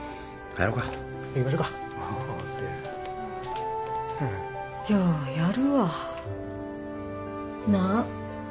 ようやるわ。なあ？